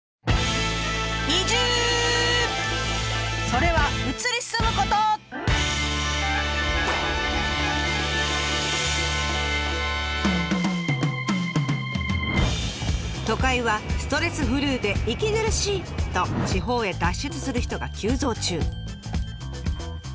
それは都会はストレスフルで息苦しい！と地方へ脱出する人が急増中。